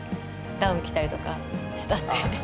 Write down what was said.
ダウン着たりとかしたんでああ